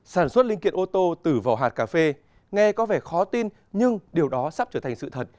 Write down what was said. sản xuất linh kiện ô tô từ vỏ hạt cà phê nghe có vẻ khó tin nhưng điều đó sắp trở thành sự thật